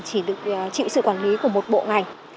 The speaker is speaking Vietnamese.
chỉ được chịu sự quản lý của một bộ ngành